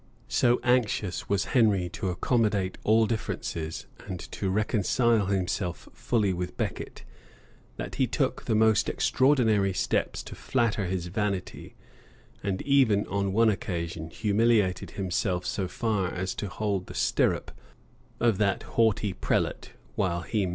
So anxious was Henry to accommodate all differences, and to reconcile himself fully with Becket, that he took the most extraordinary steps to flatter his vanity, and even on one occasion humiliated himself so far as to hold the stirrup of that haughty prelate while he mounted.